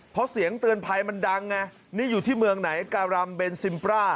เพราะเสียงเตือนภัยมันดังไงนี่อยู่ที่เมืองไหนการัมเบนซิมปรา